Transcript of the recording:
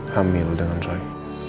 hamil dengan roy